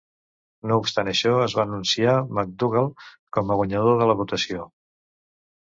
No obstant això, es va anunciar MacDougall com el guanyador de la votació.